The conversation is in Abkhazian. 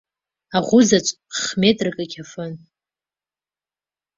Аӷәызаҵә, х-метрак ақьафын.